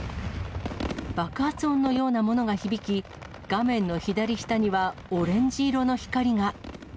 爆発音のようなものが響き、画面の左下にはオレンジ色の光が。